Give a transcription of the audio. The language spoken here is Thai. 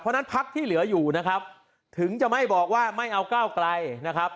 เพราะฉะนั้นพักที่เหลืออยู่นะครับถึงจะไม่บอกว่าไม่เอาก้าวไกลนะครับ